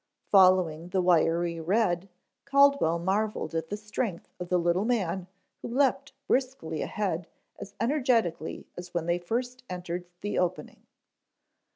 Following the wiry Red, Caldwell marveled at the strength of the little man who leaped briskly ahead as energetically as when they first entered the opening.